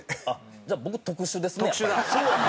じゃあ僕特殊ですねやっぱり。